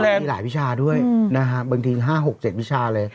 มีหลายวิชาด้วยนะฮะบางที๕๖๗วิชาเลย